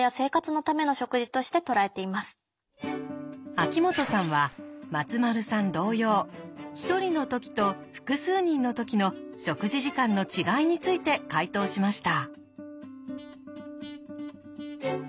秋元さんは松丸さん同様１人の時と複数人の時の食事時間の違いについて解答しました。